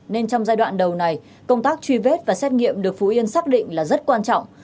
nên trong giai đoạn đầu này công tác truy vết và xét nghiệm được phú yên xác định là rất quan trọng